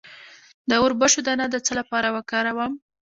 د وربشو دانه د څه لپاره وکاروم؟